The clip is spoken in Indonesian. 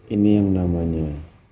ini yang namanya